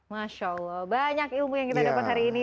masya allah banyak ilmu yang kita dapat hari ini